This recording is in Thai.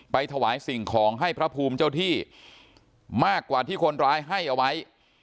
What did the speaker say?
ถวายสิ่งของให้พระภูมิเจ้าที่มากกว่าที่คนร้ายให้เอาไว้